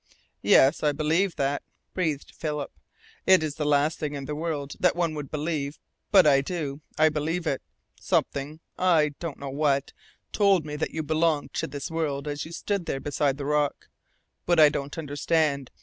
"Yes, I believe that," breathed Philip. "It is the last thing in the world that one would believe but I do; I believe it. Something I don't know what told me that you belonged to this world as you stood there beside the rock. But I don't understand.